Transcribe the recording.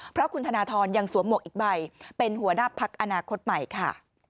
เพราะคุณธนทรยังสวมหมวกอีกใบเป็นหัวหน้าพักอนาคตใหม่ค่ะ